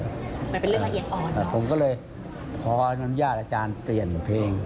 มันเป็นเรื่องละเอียดอ่อนแต่ผมก็เลยขออนุญาตอาจารย์เปลี่ยนเพลง